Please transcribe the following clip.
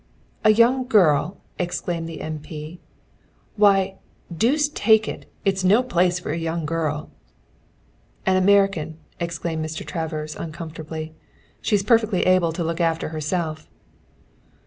"A young girl!" exclaimed the M. P. "Why, deuce take it, it's no place for a young girl." "An American," explained Mr. Travers uncomfortably. "She's perfectly able to look after herself."